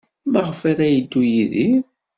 Maɣef ara yeddu Yidir?